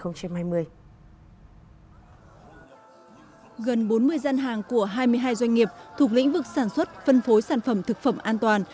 gần bốn mươi gian hàng của hai mươi hai doanh nghiệp thuộc lĩnh vực sản xuất phân phối sản phẩm thực phẩm an toàn